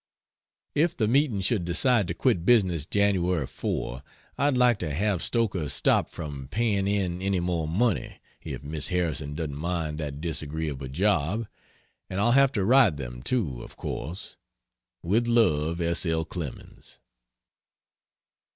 ...................... If the meeting should decide to quit business Jan. 4, I'd like to have Stoker stopped from paying in any more money, if Miss Harrison doesn't mind that disagreeable job. And I'll have to write them, too, of course. With love, S. L. CLEMENS.